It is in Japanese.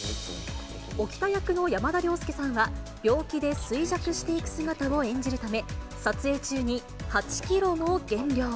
沖田役の山田涼介さんは、病気で衰弱していく姿を演じるため、撮影中に８キロも減量。